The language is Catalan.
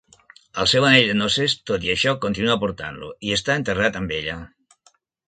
El seu anell de noces, tot i això continua portant-lo, i està enterrat amb ella.